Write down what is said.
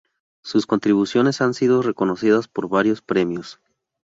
Sus contribuciones han sido reconocidas por varios premios.